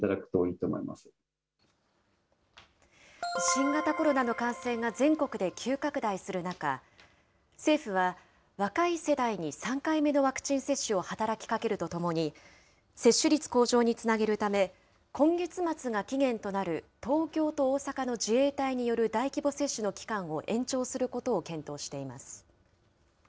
新型コロナの感染が全国で急拡大する中、政府は若い世代に３回目のワクチン接種を働きかけるとともに、接種率向上につなげるため、今月末が期限となる東京と大阪の自衛隊による大規模接種の期間を延長することを検討しています。